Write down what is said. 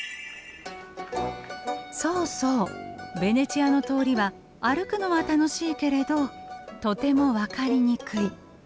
そうそうベネチアの通りは歩くのは楽しいけれどとても分かりにくい。